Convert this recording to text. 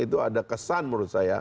itu ada kesan menurut saya